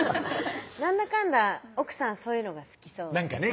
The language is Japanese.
なんだかんだ奥さんそういうのが好きそうなんかね